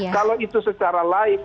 kalau itu secara live